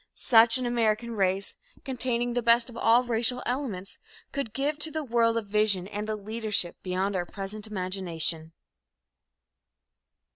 Such an American race, containing the best of all racial elements, could give to the world a vision and a leadership beyond our present imagination.